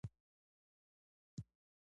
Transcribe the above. هغه د پسرلی په سمندر کې د امید څراغ ولید.